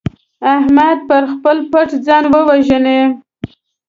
احمد پر خپل پت ځان وژني.